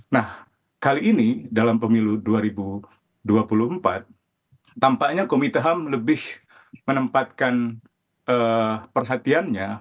nah kali ini dalam pemilu dua ribu dua puluh empat tampaknya komite ham lebih menempatkan perhatiannya